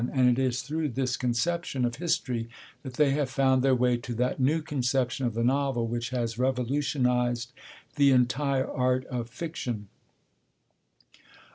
And it is through this conception of history that they have found their way to that new conception of the novel which has revolutionised the entire art of fiction.